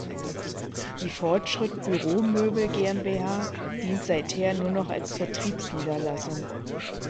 Die Fortschritt Büromöbel GmbH dient seither nur noch als Vertriebsniederlassung.